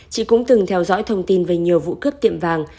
chị cũng từng theo dõi thông tin về nhiều vụ cướp tiệm vàng